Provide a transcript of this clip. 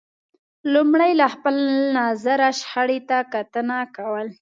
لمړی له خپل نظره شخړې ته کتنه کول